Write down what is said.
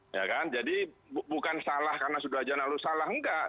ya kan jadi bukan salah karena sudah aja lalu salah enggak